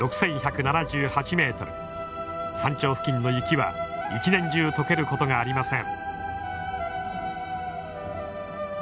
山頂付近の雪は年中解けることがありません。